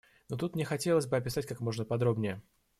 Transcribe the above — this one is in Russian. Но тут мне хотелось бы описать как можно подробнее.